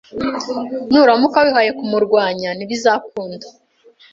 nuramuka wihaye kumurwanya ntibizakunda